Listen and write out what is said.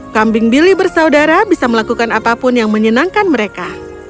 kambing bili bersaudara bisa melakukan apapun yang menyenangkan mereka